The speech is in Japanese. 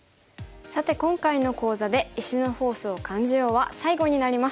さて今回の講座で「石のフォースを感じよう！」は最後になります。